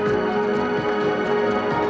ini adalah kepentingan